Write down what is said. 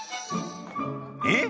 えっ？